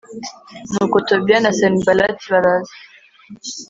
n uko Tobiya na Sanibalati baraza